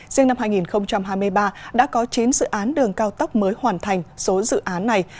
riêng năm hai nghìn hai mươi ba đã có chín dự án đường cao tốc mới hoàn thành số dự án này